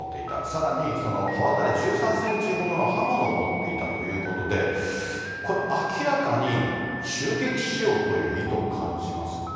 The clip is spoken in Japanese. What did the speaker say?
さらに刃渡り１３センチほどの刃物を持っていたということで、これ、明らかに襲撃しようという意図を感じますよね。